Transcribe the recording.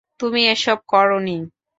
তুমি এসব করোনি।